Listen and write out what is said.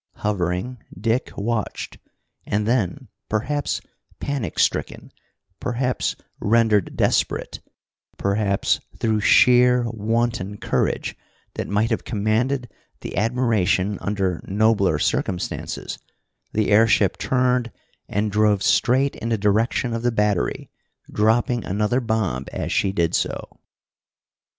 Hovering, Dick watched. And then, perhaps panic stricken, perhaps rendered desperate, perhaps through sheer, wanton courage that might have commanded admiration under nobler circumstances, the airship turned and drove straight in the direction of the battery, dropping another bomb as she did so.